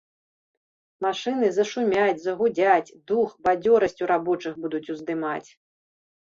Машыны зашумяць, загудзяць, дух, бадзёрасць у рабочых будуць уздымаць.